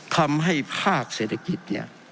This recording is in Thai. ทำให้ภาคเศรษฐกิจเนี่ย